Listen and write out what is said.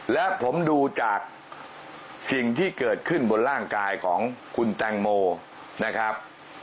และผมดูจากสิ่งที่เกิดขึ้นบนร่างกายของคุณแตงโมนะครับ